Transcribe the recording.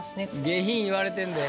下品言われてんで。